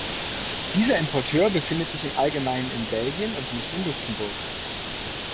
Dieser Importeur befindet sich im Allgemeinen in Belgien und nicht in Luxemburg.